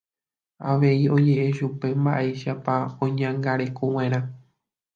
Avei oje'e chupe mba'éichapa oñeñangarekova'erã.